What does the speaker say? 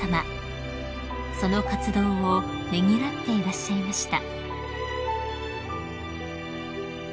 ［その活動をねぎらっていらっしゃいました］